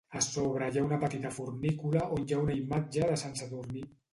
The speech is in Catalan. A sobre hi ha una petita fornícula on hi ha una imatge de Sant Sadurní.